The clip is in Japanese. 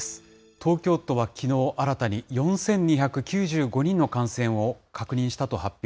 東京都はきのう新たに４２９５人の感染を確認したと発表。